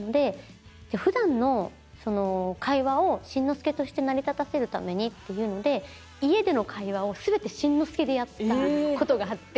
普段の会話をしんのすけとして成り立たせるためにっていうので家での会話を全てしんのすけでやった事があって。